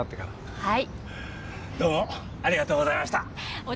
はい。